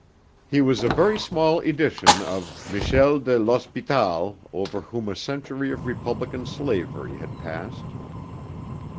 He was a very small edition of Michel de l'Hospital over whom a century of republican slavery had passed.